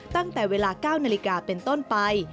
ตั้งแต่เวลา๙นาฬิกาเป็นต้นไป